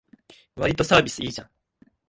わりとサービスいいじゃん